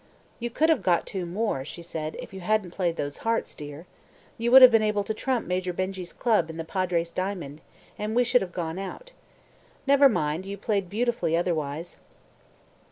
"You could have got two more," she said, "if you hadn't played those hearts, dear. You would have been able to trump Major Benjy's club and the Padre's diamond, and we should have gone out. Never mind, you played it beautifully otherwise."